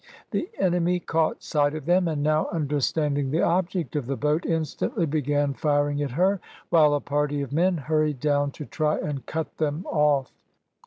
The enemy caught sight of them, and now understanding the object of the boat, instantly began firing at her, while a party of men hurried down to try and cut them off.